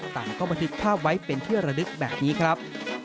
แต่มันก็มันทิ้งภาพไว้เป็นเทือระดึกแบบนี้ครับ